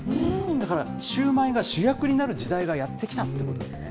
だから、シューマイが主役になる時代がやって来たってことですね。